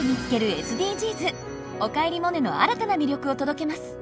「おかえりモネ」の新たな魅力を届けます。